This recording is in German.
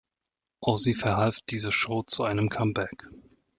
Ozzy verhalf diese Show zu einem Comeback.